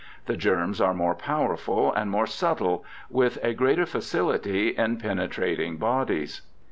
The germs are more powerful FRACASTORIUS 285 and more subtile, with a greater facility in penetrating bodies.